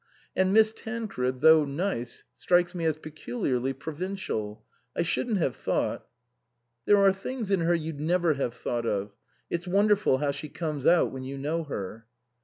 " And Miss Tancred, though nice, strikes me as peculiarly provincial. I shouldn't have thought "" There are things in her you'd never have thought of. It's wonderful how she comes out when you know her."